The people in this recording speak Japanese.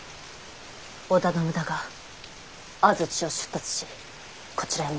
織田信長安土を出立しこちらへ向かっております。